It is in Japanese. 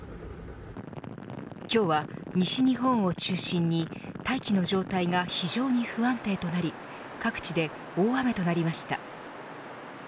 今日は、西日本を中心に大気の状態が非常に不安定となり各地で大雨となりました。